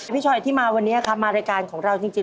พี่ชอยที่มาวันนี้ครับมารายการของเราจริง